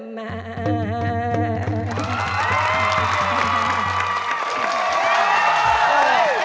ม่า